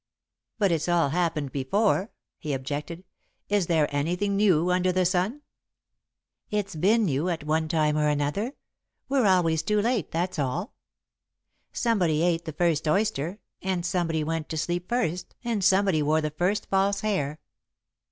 "But it's all happened before," he objected. "Is there anything new under the sun?" "It's been new, at one time or another. We're always too late, that's all. Somebody ate the first oyster and somebody went to sleep first and somebody wore the first false hair.